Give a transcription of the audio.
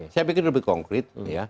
saya pikir lebih konkret